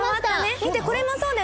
見てこれもそうだよ！